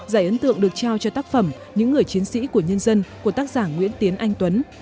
giải ấn tượng được trao cho tác phẩm những người chiến sĩ của nhân dân của tác giả nguyễn tiến anh tuấn